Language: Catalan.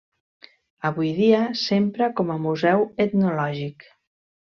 Avui dia, s'empra com a museu etnològic.